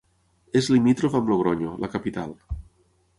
És limítrof amb Logronyo, la capital.